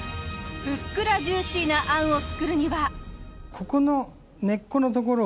ふっくらジューシーな餡を作るには。